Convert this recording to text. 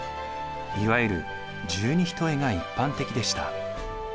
いわゆる十二単が一般的でした。